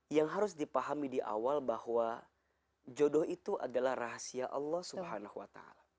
yang harus dipahami di awal bahwa jodoh itu adalah rahasia allah swt